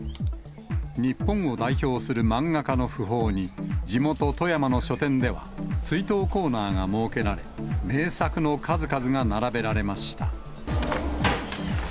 日本を代表する漫画家の訃報に、地元、富山の書店では、追悼コーナーが設けられ、名作の数々が並べられました。